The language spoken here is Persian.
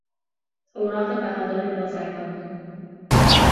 اوراق بهادار بازرگانی